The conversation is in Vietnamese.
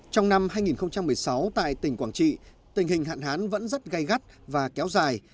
trong năm hai nghìn một mươi sáu tại tỉnh quảng trị tình hình hạn hán vẫn rất gây gắt và kéo dài